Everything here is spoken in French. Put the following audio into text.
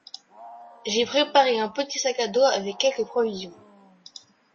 J’ai préparé un petit sac à dos avec quelques provisions.